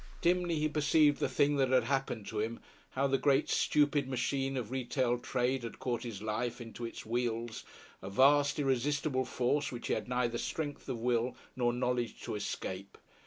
Dimly he perceived the thing that had happened to him how the great, stupid machine of retail trade had caught his life into its wheels, a vast, irresistible force which he had neither strength of will nor knowledge to escape.